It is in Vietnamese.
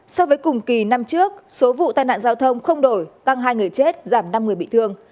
so với cùng kỳ năm trước số vụ tai nạn giao thông không đổi tăng hai người chết giảm năm người bị thương